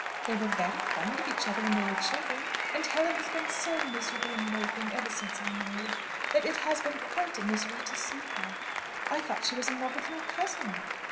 They were very fond of each other when they were children; and Helen has been so miserable and moping ever since I married, that it has been quite a misery to see her. I thought she was in love with your cousin?